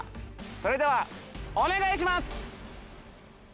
それではお願いします！